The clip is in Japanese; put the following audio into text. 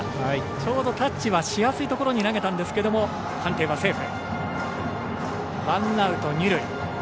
ちょうど、タッチはしやすいところに投げたんですが判定はセーフ。